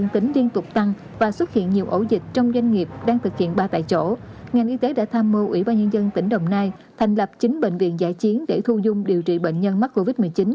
trong doanh nghiệp đang thực hiện ba tại chỗ ngành y tế đã tham mưu ủy ba nhân dân tỉnh đồng nai thành lập chín bệnh viện giải chiến để thu dung điều trị bệnh nhân mắc covid một mươi chín